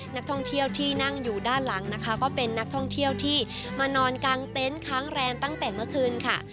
นักท่องเที่ยวที่นั่งอยู่ด้านหลังนะคะก็เป็นนักท่องเที่ยวที่มานอนกลางเต็นต์ค้างแรมตั้งแต่เมื่อคืนค่ะ